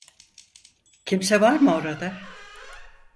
Kimse var mı orada?